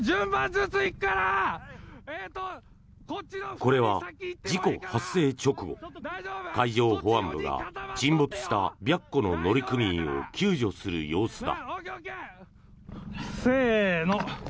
これは事故発生直後海上保安部が沈没した「白虎」の乗組員を救助する様子だ。